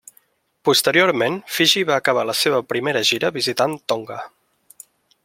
Posteriorment Fiji va acabar la seva primera gira visitant Tonga.